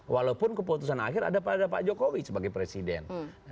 walaupun keputusan akhir ada pada pak jokowi sebagai presiden